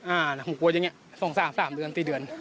อ่าผมกลัวอย่างนี้๒๓๓เดือน๔เดือน